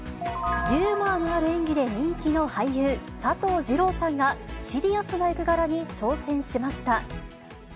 ユーモアのある演技で人気の俳優、佐藤二朗さんが、シリアスな役柄に挑戦しました。